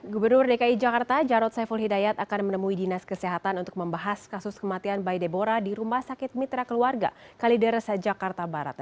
gubernur dki jakarta jarod saiful hidayat akan menemui dinas kesehatan untuk membahas kasus kematian bayi debora di rumah sakit mitra keluarga kalideres jakarta barat